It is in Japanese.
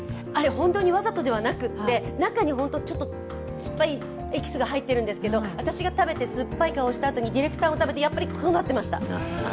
本当にわざとではなくて、中に酸っぱいエキスが入っているんですけど、私が食べて酸っぱい顔したあとにディレクターが食べたらやっぱり、こうなってました。